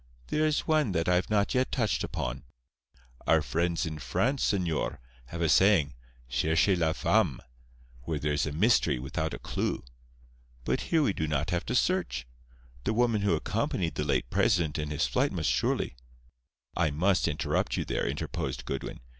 There is one that I have not yet touched upon. Our friends in France, señor, have a saying, 'Cherchez la femme,' when there is a mystery without a clue. But here we do not have to search. The woman who accompanied the late President in his flight must surely—" "I must interrupt you there," interposed Goodwin.